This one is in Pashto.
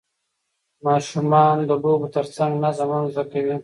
ماشومان د لوبو ترڅنګ نظم هم زده کوي